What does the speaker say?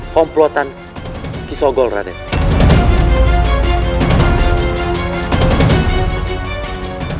komplotan kisogol raden